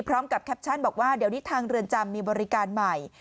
แคปชั่นบอกว่าเดี๋ยวนี้ทางเรือนจำมีบริการใหม่